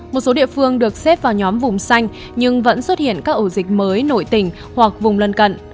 một số địa phương được xếp vào nhóm vùng xanh nhưng vẫn xuất hiện các ổ dịch mới nội tỉnh hoặc vùng lân cận